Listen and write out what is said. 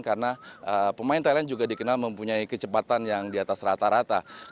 karena pemain thailand juga dikenal mempunyai kecepatan yang di atas rata rata